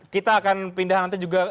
kita akan pindah nanti juga